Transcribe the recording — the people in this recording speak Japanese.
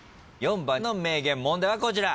４番の名言問題はこちら。